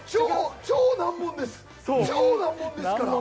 超難問です。